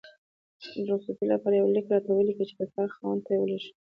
د رخصتي لپاره یو لیک راته ولیکه چې د کار خاوند ته یې ولیږم